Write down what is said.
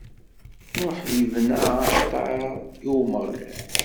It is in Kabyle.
Nuḥ ibna aɛalṭar i Umeɣlal.